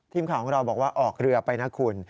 ทีมข่าวของเราบอกว่าออกเรือไปนะคุณ